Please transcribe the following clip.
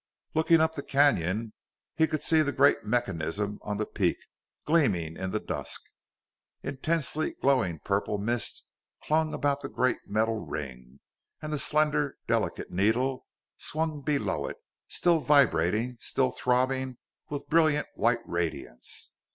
Looking up the canyon, he could see the great mechanism on the peak, gleaming in the dusk. Intensely glowing purple mist clung about the great metal ring, and the slender, delicate needle swung below it, still vibrating, still throbbing with brilliant, white radiance.